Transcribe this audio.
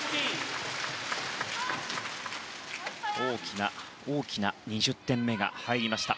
大きな２０点目が入りました。